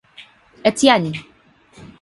Etienne!